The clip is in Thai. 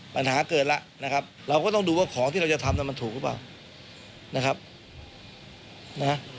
ปัญหาเกิดแล้วนะครับเราก็ต้องดูว่าของที่เราจะทำมันถูกหรือเปล่านะครับนะฮะ